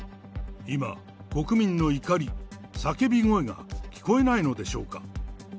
今、国民の怒り、叫び声が聞こえないのでしょうか。